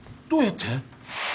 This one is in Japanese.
どうやって！？